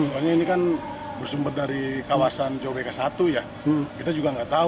soalnya ini kan bersumber dari kawasan jawa bk satu ya kita juga gak tau